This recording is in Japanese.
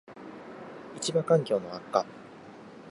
① 市場環境の悪化